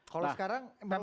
kalau sekarang kurang tertarik